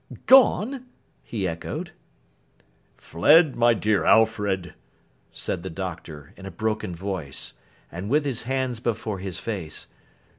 'Gone!' he echoed. 'Fled, my dear Alfred!' said the Doctor, in a broken voice, and with his hands before his face.